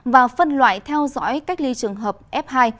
và phân loại theo dõi cách ly trường hợp f hai